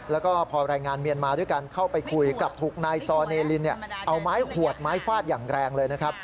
แล้วก็พอแรงงานเมียนมาด้วยกันเข้าไปคุยกับถูกนายซอเนลินเอาไม้หวดไม้ฟาดอย่างแรงเลยนะครับ